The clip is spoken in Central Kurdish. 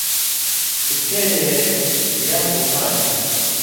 سکرتێرێک... یا سوڵتانێ